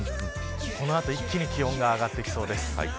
この後、一気に気温が上がってきそうです。